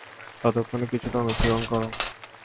ততক্ষণে কিছুটা অনুশীলন করো।